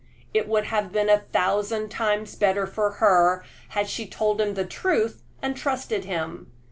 It would have been a thousand times better for her had she told him the truth and trusted him.